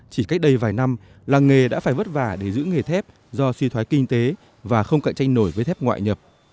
chỉ cách đây vài năm làng nghề đã phải vất vả để giữ nghề thép do suy thoái kinh tế và không cạnh tranh nổi với thép ngoại nhập